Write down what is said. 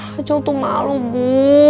kacau tuh malu bu